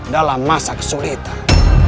dalam masa kesulitan